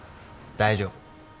大丈夫。